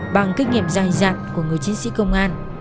bằng kinh nghiệm dài dặn của người chiến sĩ công an